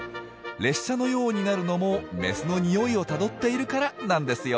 列車のようになるのもメスのニオイをたどっているからなんですよ。